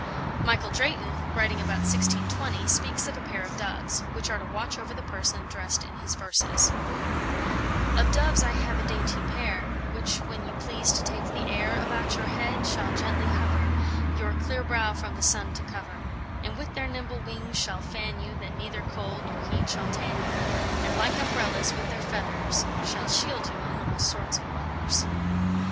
Michael Drayton, writing about 1620, speaks of a pair of doves, which are to watch over the person addressed in his verses: "Of doves I have a dainty pair, Which, when you please to take the air, About your head shall gently hover, Your clear brow from the sun to cover; And with their nimble wings shall fan you, That neither cold nor heat shall tan you; And, like umbrellas, with their feathers Shall shield you in all sorts of weathers."